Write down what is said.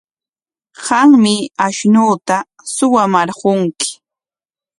Qammi ashnuuta suwamarqunki.